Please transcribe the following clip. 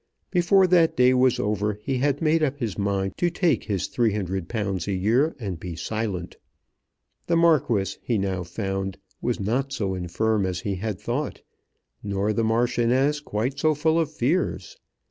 Before that day was over he had made up his mind to take his £300 a year and be silent. The Marquis, he now found, was not so infirm as he had thought, nor the Marchioness quite so full of fears.